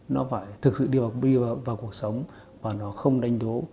nó phải thực sự đi vào cuộc sống và nó không đánh đố